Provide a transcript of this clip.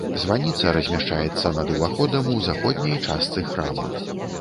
Званіца размяшчаецца над уваходам у заходняй частцы храма.